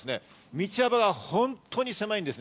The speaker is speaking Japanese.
道幅が本当に狭いんです。